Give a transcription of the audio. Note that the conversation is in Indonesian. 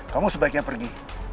kamu sebaiknya pergi